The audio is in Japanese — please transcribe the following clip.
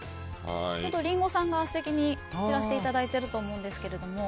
リンゴさんが素敵に散らしていただいていると思うんですけど。